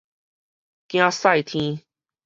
囝婿撐